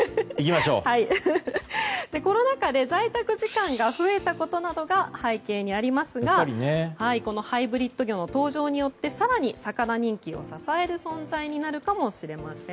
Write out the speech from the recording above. コロナ禍で在宅時間が増えたことなどが背景にありますがハイブリッド魚の登場によって更に魚人気を支える存在になるかもしれません。